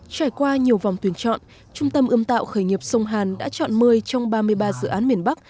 trải qua nhiều vòng tuyển chọn trung tâm ươm tạo khởi nghiệp sông hàn đã chọn một mươi trong ba mươi ba dự án miền bắc